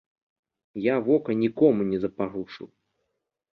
Я вока нікому не запарушыў.